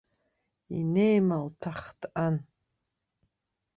Инеималҭәахт ан.